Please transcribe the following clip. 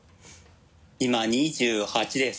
今２８です。